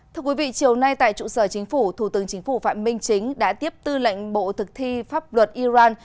thưa quý vị chiều nay tại trụ sở chính phủ thủ tướng chính phủ phạm minh chính đã tiếp tư lệnh bộ thực thi pháp luật iran